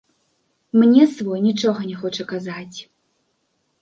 Мне свой нічога не хоча казаць.